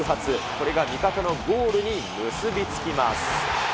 これが味方のゴールに結び付きます。